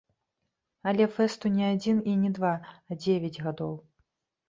Але фэсту не адзін і не два, а дзевяць гадоў.